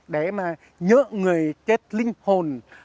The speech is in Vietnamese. để mà nhớ người chết linh hồn